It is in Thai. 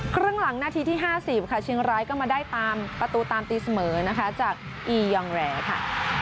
ครึ่งหลังนาทีที่๕๐ค่ะเชียงรายก็มาได้ตามประตูตามตีเสมอนะคะจากอียองแหลค่ะ